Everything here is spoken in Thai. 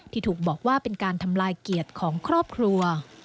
ที่ถูกบอกว่าเป็นการทำลายเกียรติของครอบครัว